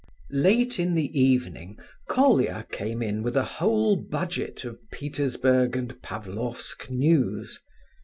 Late in the evening Colia came in with a whole budget of Petersburg and Pavlofsk news.